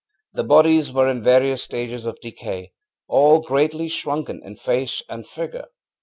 The bodies were in various stages of decay, all greatly shrunken in face and figure.